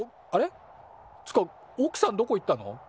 っつかおくさんどこ行ったの？